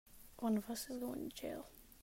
One of us is going to jail!